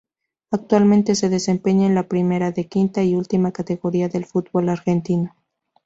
Actualmente se desempeña en la Primera D quinta y última categoría del Fútbol argentino.